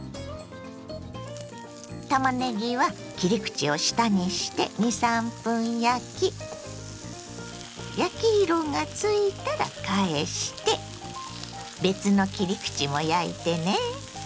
たまねぎは切り口を下にして２３分焼き焼き色がついたら返して別の切り口も焼いてね。